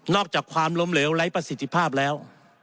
อกจากความล้มเหลวไร้ประสิทธิภาพแล้ว